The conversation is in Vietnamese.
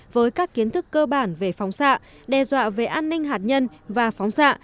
với các kiến thức cơ bản về phóng xạ đe dọa về an ninh hạt nhân và phóng xạ